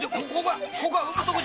ここは産むとこじゃ。